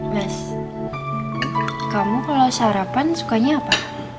mas kamu kalau sarapan sukanya apa